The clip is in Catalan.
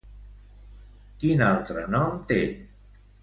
Quin altre nom té?